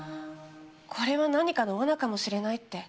これは何かの罠かもしれないって。